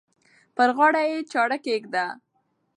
پر غاړه یې چاړه کښېږده.